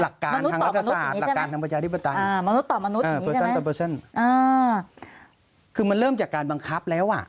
วิธีการมองใช่ไหมมนุษย์ต่อมนุษย์อย่างนี้ใช่ไหมมนุษย์ต่อมนุษย์อย่างนี้ใช่ไหมคือมันเริ่มจากการบังคับแล้ว